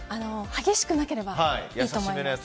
激しくなければいいと思います。